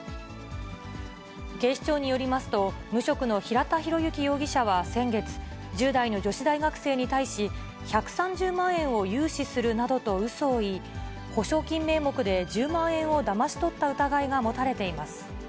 警視庁によりますと、無職の平田博之容疑者は先月、１０代の女子大学生に対し、１３０万円を融資するなどとうそを言い、保証金名目で１０万円をだまし取った疑いが持たれています。